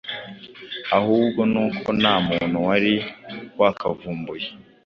ahubwo n’uko nta muntu wari wakavumbuye